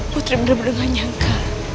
putri bener bener gak nyangka